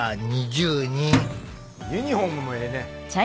ユニホームもええね。